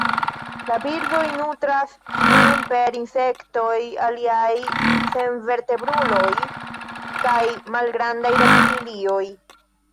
La birdoj nutras sin per insektoj, aliaj senvertebruloj kaj malgrandaj reptilioj.